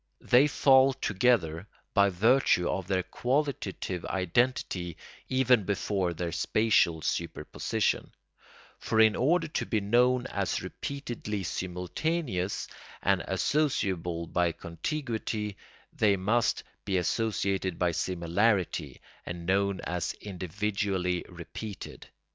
They fall together by virtue of their qualitative identity even before their spatial superposition; for in order to be known as repeatedly simultaneous, and associable by contiguity, they must be associated by similarity and known as individually repeated.